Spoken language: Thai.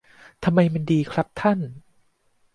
ทำไมมันดีครับท่าน